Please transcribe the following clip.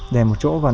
để một chỗ và nâng